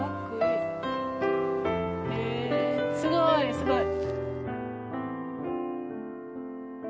へぇすごいすごい！